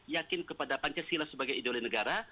yakin kepada pancasila sebagai idola negara